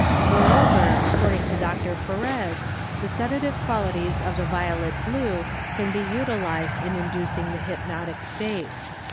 Moreover, according to Dr. Ferez, the sedative qualities of the violet blue can be utilized in inducing the hypnotic state.